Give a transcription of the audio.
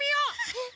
えっ。